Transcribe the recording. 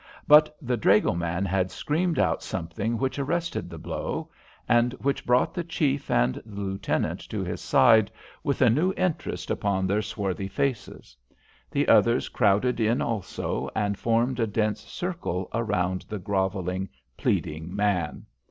But the dragoman had screamed out something which arrested the blow, and which brought the chief and the lieutenant to his side with a new interest upon their swarthy faces. The others crowded in also, and formed a dense circle around the grovelling, pleading man.